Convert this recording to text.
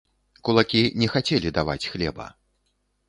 Кулакі не хацелі даваць хлеба.